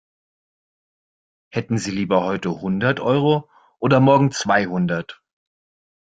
Hätten Sie lieber heute hundert Euro oder morgen zweihundert?